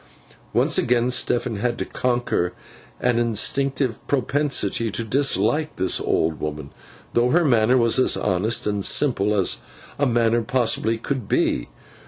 Once again, Stephen had to conquer an instinctive propensity to dislike this old woman, though her manner was as honest and simple as a manner possibly could be.